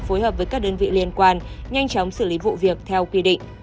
phối hợp với các đơn vị liên quan nhanh chóng xử lý vụ việc theo quy định